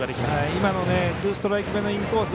今のツーストライク目のインコース